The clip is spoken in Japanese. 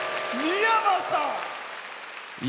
三山さん！